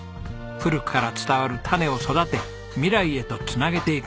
古くから伝わる種を育て未来へとつなげていく。